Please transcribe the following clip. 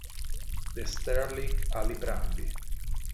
De Sterlich Aliprandi